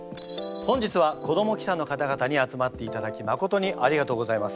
本日は子ども記者の方々に集まっていただきまことにありがとうございます。